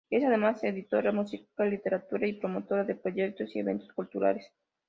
Es además editora musical y literaria y promotora de proyectos y eventos culturales.